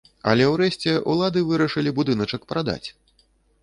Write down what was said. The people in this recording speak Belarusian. Але ўрэшце ўлады вырашылі будыначак прадаць.